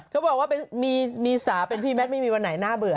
เขาบอกว่ามีสาเป็นพี่แมทไม่มีวันไหนหน้าเบื่อ